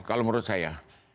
kalau menurut saya